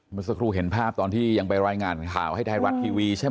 เมื่อสักครู่เห็นภาพตอนที่ยังไปรายงานข่าวให้ไทยรัฐทีวีใช่ไหม